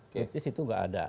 which is itu gak ada